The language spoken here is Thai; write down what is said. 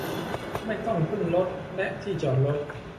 ไม่ต้องพึ่งรถและที่จอดรถ